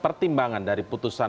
pertimbangan dari putusan